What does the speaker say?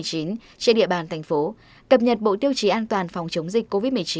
trên địa bàn thành phố cập nhật bộ tiêu chí an toàn phòng chống dịch covid một mươi chín